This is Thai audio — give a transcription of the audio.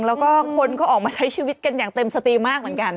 แล้วก็คนก็ออกมาใช้ชีวิตกันอย่างเต็มสตรีมากเหมือนกัน